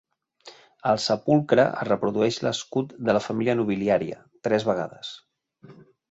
Al sepulcre es reprodueix l'escut de la família nobiliària, tres vegades.